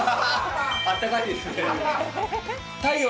あったかいですね。